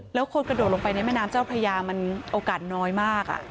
แล้วคนกระโดดลงไปในแม่น้ำเจ้าพระยามันโอกาสน้อยมาก